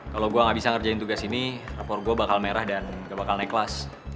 kalau gue gak bisa ngerjain tugas ini rapor gue bakal merah dan gak bakal naik kelas